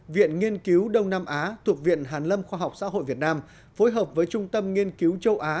viện nghiên cứu đông nam á thuộc viện hàn lâm khoa học xã hội việt nam phối hợp với trung tâm nghiên cứu châu á